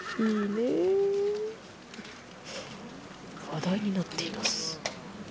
話題になっています。